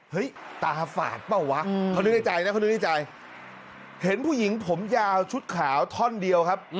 ตาฝาดเปล่าวะเขานึกในใจนะเขานึกในใจเห็นผู้หญิงผมยาวชุดขาวท่อนเดียวครับ